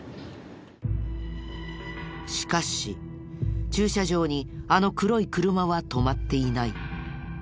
しかし駐車場にあの黒い車は止まっていない。